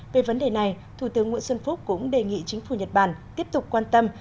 về vấn đề này thủ tướng nguyễn xuân phúc cũng đề nghị chính phủ nhật bản tiếp tục quan tâm